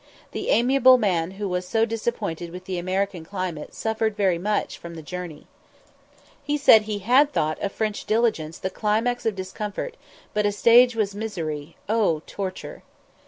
The amiable man who was so disappointed with the American climate suffered very much from the journey. He said he had thought a French diligence the climax of discomfort, but a "stage was misery, oh torture!"